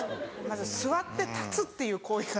まず座って立つっていう行為が。